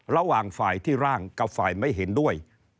ระหว่างฝ่ายที่ร่างกับฝ่ายไม่เห็นด้วย